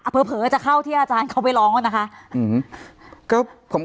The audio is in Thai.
เผลอจะเข้าที่อาจารย์เขาไปร้องนะคะ